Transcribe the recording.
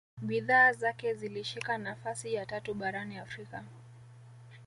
bidhaa zake zilishika nafasi ya tatu barani afrika